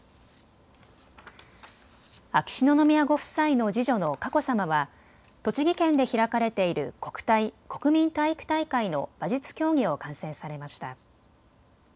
秋篠宮ご夫妻の次女の佳子さまは栃木県で開かれている国体・国民体育大会の馬術競技を観戦されました。